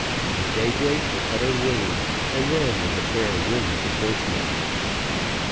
At daybreak the cutter weighed, and ran with a fair wind to Portsmouth.